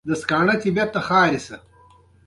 ازادي راډیو د اداري فساد په اړه رښتیني معلومات شریک کړي.